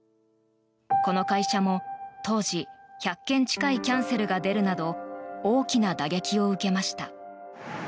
この会社も当時１００件近いキャンセルが出るなど大きな打撃を受けました。